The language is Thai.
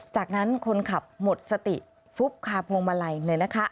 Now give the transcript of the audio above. จากนั้นคนขับหมดสติฟุบคาพวงมาลัยเลยนะคะ